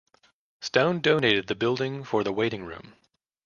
Stone donated the building for the waiting room.